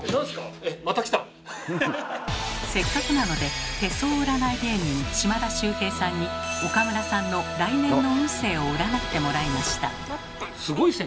えっせっかくなので手相占い芸人島田秀平さんに岡村さんの来年の運勢を占ってもらいました。